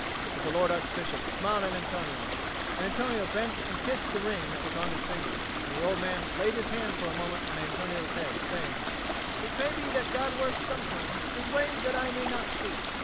But the lord Archbishop smiled at Antonio, and Antonio bent and kissed the ring that was on his finger; and the old man laid his hand for a moment on Antonio's head, saying, "It may be that God works sometimes in ways that I may not see."